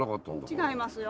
違いますよ。